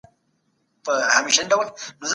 ولي د پیسو په اړه ډېر فکر ذهن ناروغه کوي؟